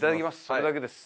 それだけです。